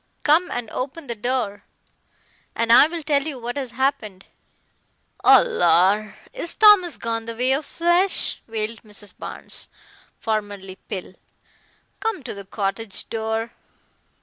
"Come and open the door, and I'll tell you what has happened." "Oh, lor! is Thomas gone the way of flesh?" wailed Mrs. Barnes, formerly Pill. "Come to the cottage door."